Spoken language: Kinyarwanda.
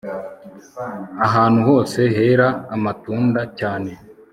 Ahantu hose hera amatunda cyane